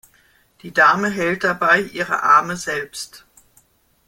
Die Dame hält dabei ihre Arme selbst.